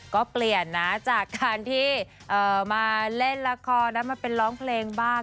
ก็เปลี่ยนนะจากการที่มาเล่นละครแล้วมาเป็นร้องเพลงบ้าง